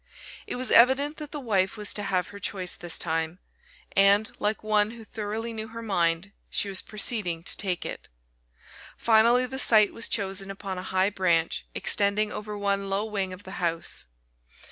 It was evident that the wife was to have her choice this time; and, like one who thoroughly knew her mind, she was proceeding to take it. Finally the site was chosen upon a high branch, extending over one low wing of the house.